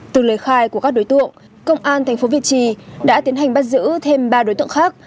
từ lời khai của các đối tượng công an tp việt trì đã tiến hành bắt giữ thêm ba đối tượng khác